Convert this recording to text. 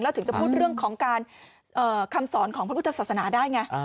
แล้วถึงจะพูดเรื่องของการแบบข้ำสอนของพระพุทธศาสสนาได้ย่างเงี้ย